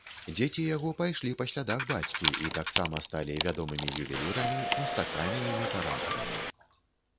Дзеці яго пайшлі па слядах бацькі і таксама сталі вядомымі ювелірамі, мастакамі і літаратарамі.